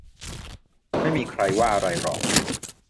ไม่มีใครว่าอะไรหรอก